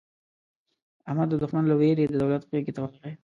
احمد د دوښمن له وېرې د دولت غېږې ته ورغی.